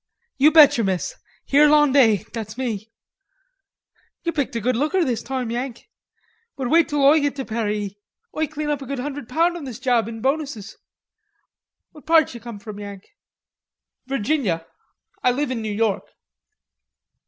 "You bet you, miss; Hirlanday; that's me.... You picked a good looker this toime, Yank. But wait till Oi git to Paree. Oi clane up a good hundre' pound on this job in bonuses. What part d'ye come from, Yank?" "Virginia. I live in New York."